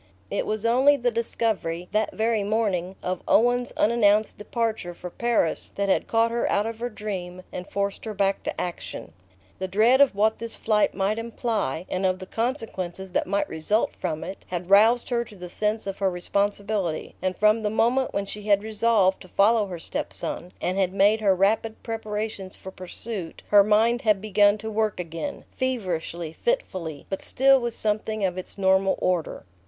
It was only the discovery that very morning of Owen's unannounced departure for Paris that had caught her out of her dream and forced her back to action. The dread of what this flight might imply, and of the consequences that might result from it, had roused her to the sense of her responsibility, and from the moment when she had resolved to follow her step son, and had made her rapid preparations for pursuit, her mind had begun to work again, feverishly, fitfully, but still with something of its normal order.